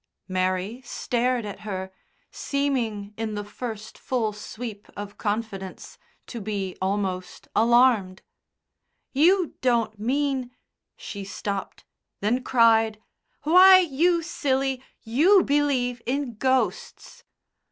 Mary stared at her, seeming in the first full sweep of confidence, to be almost alarmed. "You don't mean ?" She stopped, then cried, "Why, you silly, you believe in ghosts!"